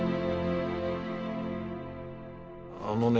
あのね